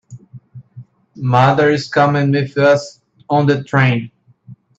Mother is coming with us on the train.